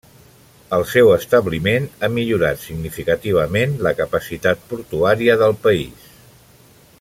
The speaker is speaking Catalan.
El seu establiment ha millorat significativament la capacitat portuària del país.